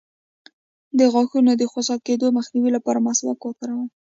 د غاښونو د خوسا کیدو مخنیوي لپاره مسواک وکاروئ